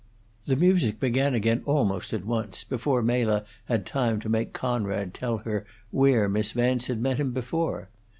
The music began again almost at once, before Mela had time to make Conrad tell her where Miss Vance had met him before.